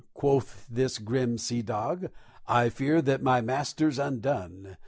_ quoth this grim sea dog, _I fear that my master's undone!